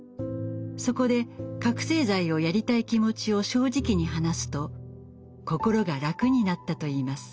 そこで覚せい剤をやりたい気持ちを正直に話すと心が楽になったといいます。